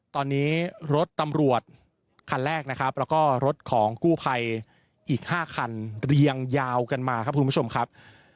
ตอนนี้รถตำรวจคันแรกนะครับแล้วก็รถของกู้ภัยอีก๕คันเรียงยาวกันมาครับคุณผู้ชมครับ